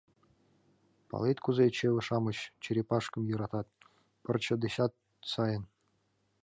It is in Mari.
Палет, кузе чыве-шамыч черепашкым йӧратат... пырче дечат сайын.